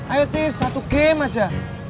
ayo tis satu game aja